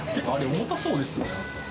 重たそうですよね。